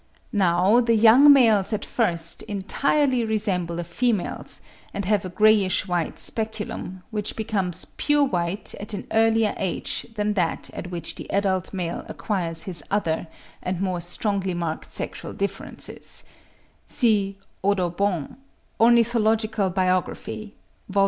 Now the young males at first entirely resemble the females, and have a greyish white speculum, which becomes pure white at an earlier age than that at which the adult male acquires his other and more strongly marked sexual differences: see Audubon, 'Ornithological Biography,' vol.